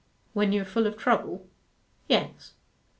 'When you are full of trouble.' 'Yes.